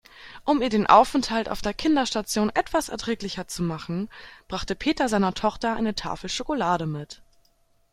Um ihr den Aufenthalt auf der Kinderstation etwas erträglicher zu machen, brachte Peter seiner Tochter eine Tafel Schokolade mit.